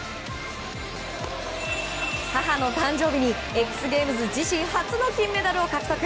母の誕生日にＸＧＡＭＥＳ自身初の金メダルを獲得。